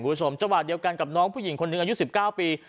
คุณผู้ชมจังหวะเดียวกันกับน้องผู้หญิงคนหนึ่งอายุ๑๙ปี